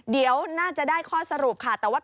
เดี๋ยวน่าจะได้ข้อสรุปค่ะ